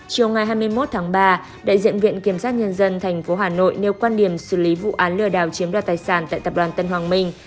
chiều ngày hai mươi một tháng ba đại diện viện kiểm sát nhân dân tp hà nội nêu quan điểm xử lý vụ án lừa đảo chiếm đoạt tài sản tại tập đoàn tân hoàng minh